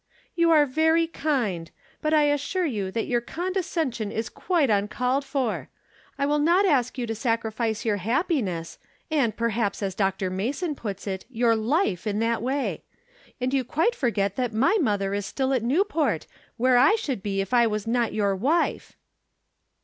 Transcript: " You are very kind ; but I assure you that your condescension is quite uncalled for. I will not ask you to sacrifice your happiness ; and, per haps, as Dr. Mason puts it, your life in that way. And you quite forget that my mother is still at Newport, where I should be if I was not your wife."